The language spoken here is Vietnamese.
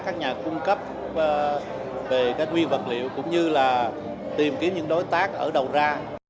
các nhà cung cấp về các nguyên vật liệu cũng như là tìm kiếm những đối tác ở đầu ra